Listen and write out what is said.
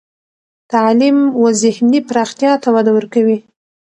تعلیم و ذهني پراختیا ته وده ورکوي.